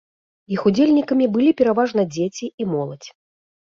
Іх удзельнікамі былі пераважна дзеці і моладзь.